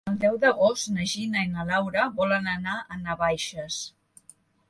El deu d'agost na Gina i na Laura volen anar a Navaixes.